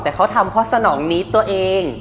แต่เขาทำเพราะสนองนี้ตัวเอง